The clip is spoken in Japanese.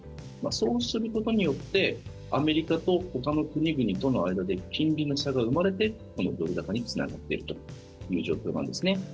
そうすることによってアメリカとほかの国々との間で金利の差が生まれてこのドル高につながっているという状況なんですね。